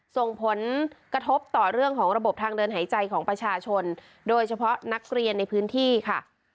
ส่งผลกระทบต่อเรื่องของระบบทางเดินหายใจของประชาชนโดยเฉพาะนักเรียนในพื้นที่ค่ะ